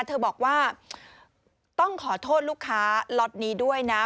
เธอบอกว่าต้องขอโทษลูกค้าล็อตนี้ด้วยนะ